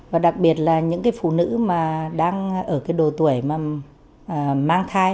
và đặc biệt là những cái phụ nữ mà đang ở cái đồ tuổi mà mang thai